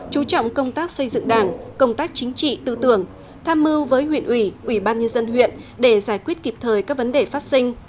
chú trọng công tác xây dựng đảng công tác chính trị tư tưởng tham mưu với huyện ủy ủy ban nhân dân huyện để giải quyết kịp thời các vấn đề phát sinh